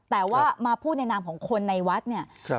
แต่ว่ามาพูดในนามของคนในวัดเนี่ย